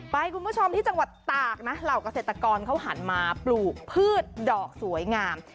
คุณผู้ชมที่จังหวัดตากนะเหล่าเกษตรกรเขาหันมาปลูกพืชดอกสวยงาม